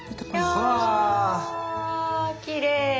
わきれい。